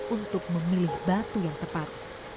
untuk memilih batu yang tepat